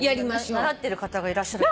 習ってる方がいらっしゃる。